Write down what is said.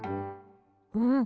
うん？